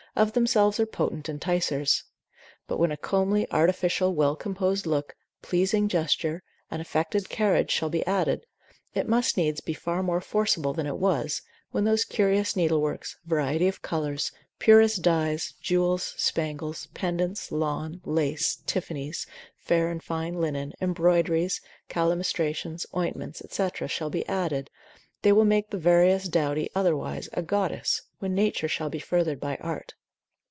of themselves are potent enticers; but when a comely, artificial, well composed look, pleasing gesture, an affected carriage shall be added, it must needs be far more forcible than it was, when those curious needleworks, variety of colours, purest dyes, jewels, spangles, pendants, lawn, lace, tiffanies, fair and fine linen, embroideries, calamistrations, ointments, etc. shall be added, they will make the veriest dowdy otherwise, a goddess, when nature shall be furthered by art.